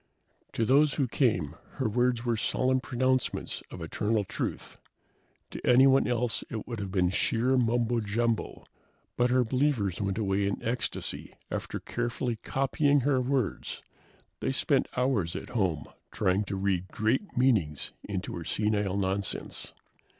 To those who came, her words were solemn pronouncements of eternal truth. To anyone else it would have been sheer mumbo jumbo, but her believers went away in ecstasy after carefully copying her words. They spent hours at home trying to read great meanings into her senile nonsense.